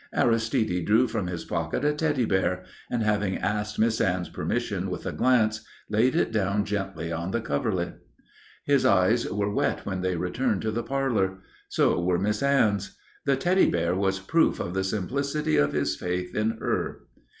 Aristide drew from his pocket a Teddy bear, and, having asked Miss Anne's permission with a glance, laid it down gently on the coverlid. His eyes were wet when they returned to the parlour. So were Miss Anne's. The Teddy bear was proof of the simplicity of his faith in her.